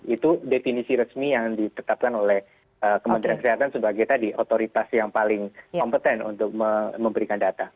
itu definisi resmi yang ditetapkan oleh kementerian kesehatan sebagai tadi otoritas yang paling kompeten untuk memberikan data